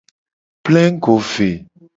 Plengugo ve.